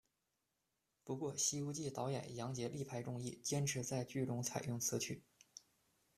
不过，《西游记》导演杨洁力排众议，坚持在剧中采用此曲。